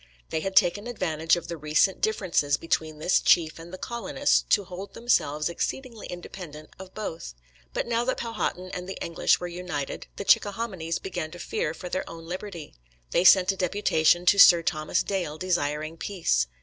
They had taken advantage of the recent differences between this chief and the colonists to hold themselves exceedingly independent of both. But now that Powhatan and the English were united, the Chickahominys began to fear for their own liberty. They sent a deputation to Sir Thomas Dale desiring peace.